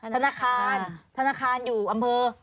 ธนาคารอยู่อำเมอร์